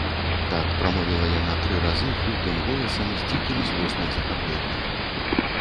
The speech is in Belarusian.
Так прамовіла яна тры разы хрыплым голасам з дзікім, злосным захапленнем.